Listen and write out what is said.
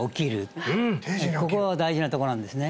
ここが大事なとこなんですね